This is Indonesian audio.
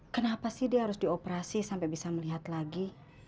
kenapa sih dia harus dioperasi sampai bisa melihat lagi